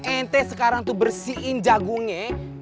ente sekarang tuh bersihin jagungnya